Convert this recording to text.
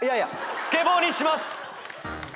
スケボーにします！